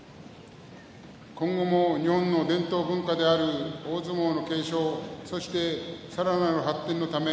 今後も、日本の伝統文化である大相撲の継承そして、さらなる発展のため